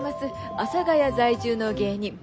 阿佐ヶ谷在住の芸人。